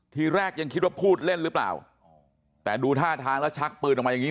ทีแรกยังคิดว่าพูดเล่นหรือเปล่าแต่ดูท่าทางแล้วชักปืนออกมาอย่างงี